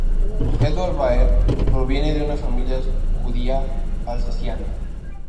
Édouard Baer proviene de una familia judía alsaciana.